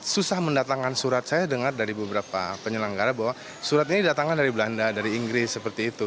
susah mendatangkan surat saya dengar dari beberapa penyelenggara bahwa surat ini datangkan dari belanda dari inggris seperti itu